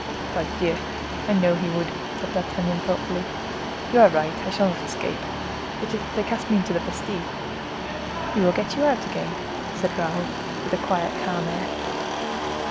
"Pardieu! I know he would," said D'Artagnan thoughtfully. "You are right, I shall not escape. But if they cast me into the Bastile?" "We will get you out again," said Raoul, with a quiet, calm air.